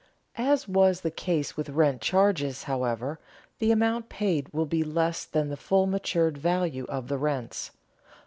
As was the case with rent charges, however, the amount paid will be less than the full matured value of the rents.